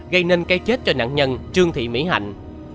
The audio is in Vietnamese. gây nên cây chết cho nạn nhân trương thị mỹ hạnh